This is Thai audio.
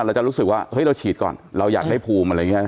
เราจะรู้สึกว่าเฮ้ยเราฉีดก่อนเราอยากได้ภูมิอะไรอย่างนี้